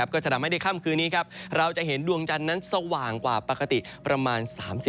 ก็จะทำให้ในค่ำคืนนี้เราจะเห็นดวงจันทร์นั้นสว่างกว่าปกติประมาณ๓๐